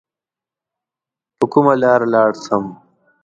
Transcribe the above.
په کومه لار لاړ سم؟